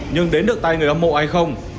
nhưng đến được tay người hâm mộ hay không